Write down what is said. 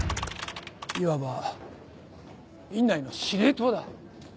いわば院内の司令塔だ。